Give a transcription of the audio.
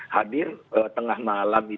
hadir tengah malam